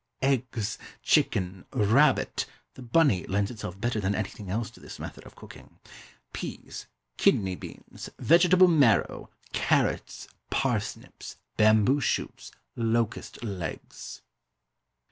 EGGS. CHICKEN. RABBIT (the "bunny" lends itself better than anything else to this method of cooking). PEASE. KIDNEY BEANS. VEGETABLE MARROW. CARROTS. PARSNIPS. BAMBOO SHOOTS. LOCUST LEGS.